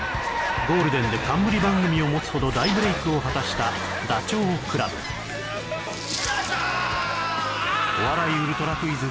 ゴールデンで冠番組を持つほど大ブレイクを果たしたダチョウ倶楽部「お笑いウルトラクイズ！！」